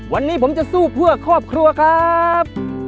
วันนี้ผมจะสู้เพื่อครอบครัวครับ